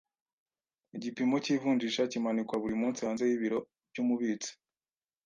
Igipimo cy’ivunjisha kimanikwa buri munsi hanze y’ibiro by’umubitsi.